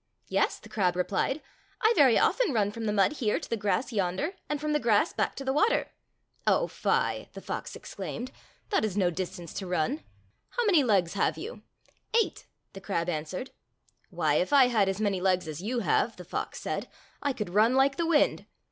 "Yes," the crab replied, "I very often run from the mud here to the grass yonder, and from the grass baek to the water." "Oh, fie!" the fox exclaimed, "that is no distance to run. How many legs have you? " "Eight," the crab answered. "Why, if I had as many legs as you have," the fox said, "I could run like the wind.